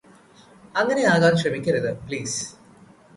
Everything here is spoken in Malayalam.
അങ്ങനെ ആകാൻ ശ്രമിക്കരുത് പ്ലീസ്